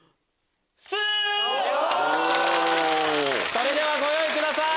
それではご用意ください！